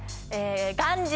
元日。